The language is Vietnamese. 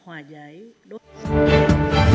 chúng tôi sẽ đề nghị